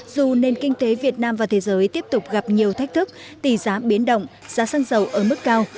dù nền kinh tế việt nam và thế giới tiếp tục gặp nhiều thách thức tỷ giá biến động giá xăng dầu ở mức cao